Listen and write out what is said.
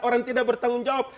orang tidak bertanggung jawab